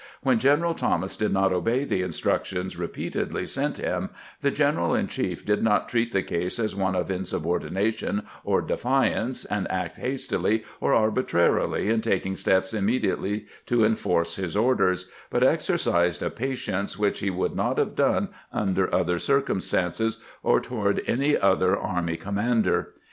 When General Thomas did not obey the instructions repeatedly sent him, the general in chief did not treat the case as one of insubordination or defiance, and act hastily or arbitrarily in taking steps immediately to enforce his orders, but exercised a patience which he would not have done under other circumstances or toward any other army com 352 CAMPAIGNING WITH GRANT mander.